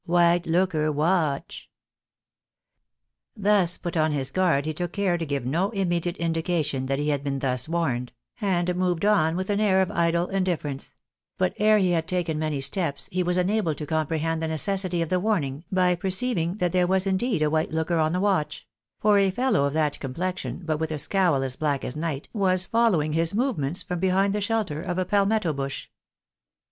White looker watch." Thus put on his guard, he took care to give no immediate indication than he had been thus warned, and moved on with an air of idle indifference ; but ere he had taken many steps, he was enabled to comprehend the necessity of the warning by perceiving that there was indeed a white looker on the watch ; for a fellow of that complexion, but with a scowl as black as night, was following his movements from behind the shelter of a palmetto bush.